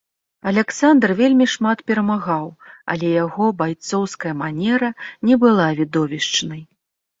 Аляксандр вельмі шмат перамагаў, але яго байцоўская манера не была відовішчнай.